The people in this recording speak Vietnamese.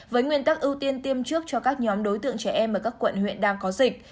với nguyên tắc ưu tiên tiêm trước cho các nhóm đối tượng trẻ em ở các quận huyện đang có dịch